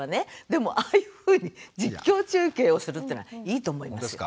でもああいうふうに実況中継をするっていうのはいいと思いますよ。